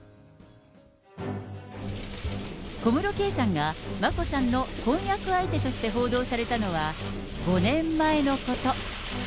小室圭さんが眞子さんの婚約相手として報道されたのは、５年前のこと。